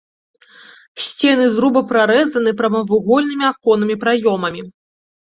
Сцены зруба прарэзаны прамавугольнымі аконнымі праёмамі.